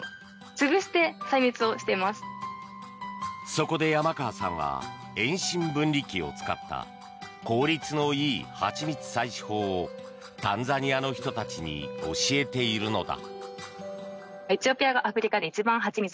そこで山川さんは遠心分離機を使った効率のいい蜂蜜採取法をタンザニアの人たちに教えているのだ。